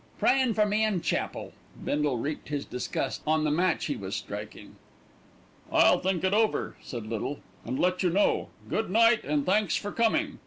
Prayin' for me in chapel." Bindle wreaked his disgust on the match he was striking. "I'll think it over," said Little, "and let you know. Good night, and thanks for coming.